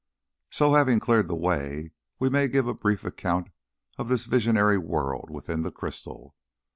So having cleared the way, we may give a brief account of this visionary world within the crystal.